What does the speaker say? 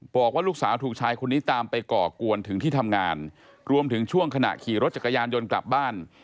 บอกว่าลูกสาวถูกชายคนนี้ตามไปก่อกวนถึงที่ทำงานรวมถึงช่วงขณะขี่รถจักรยานยนต์กลับบ้าน